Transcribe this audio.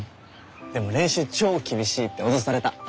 でも練習超厳しいって脅された。